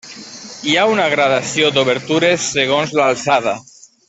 Hi ha una gradació d'obertures segons l'alçada.